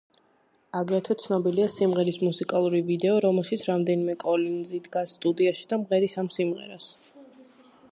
აგრეთვე ცნობილია სიმღერის მუსიკალური ვიდეო, რომელშიც რამდენიმე კოლინზი დგას სტუდიაში და მღერის ამ სიმღერას.